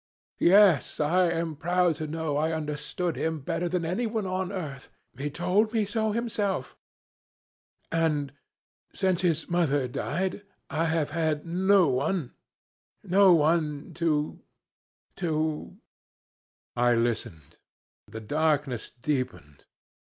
Yes! I am proud to know I understood him better than anyone on earth he told me so himself. And since his mother died I have had no one no one to to ' "I listened. The darkness deepened.